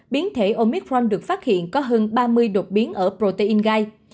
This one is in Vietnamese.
biến thể omitform được phát hiện có hơn ba mươi đột biến ở protein gai